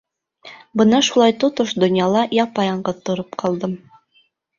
Бына шулай тотош донъяла япа-яңғыҙ тороп ҡалдым.